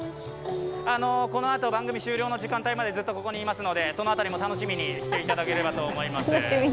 このあと、番組終了の時間帯までずっとここにいますのでその辺りも楽しみにしていただければと思います。